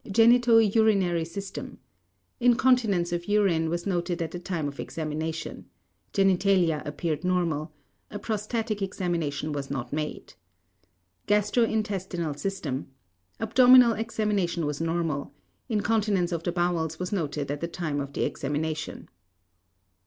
GENITO URINARY SYSTEM: Incontinence of urine was noted at the time of examination. Genitalia appeared normal. A prostatic examination was not made. GASTRO INTESTINAL SYSTEM: Abdominal examination was normal. Incontinence of the bowels was noted at the time of the examination.